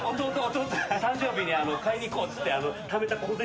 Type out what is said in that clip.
弟が誕生日に買いに行こうっつってためた小銭